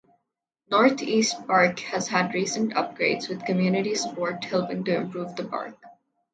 Northeast Park has had recent upgrades, with community support helping to improve the park.